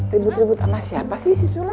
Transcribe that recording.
ribut ribut sama siapa sih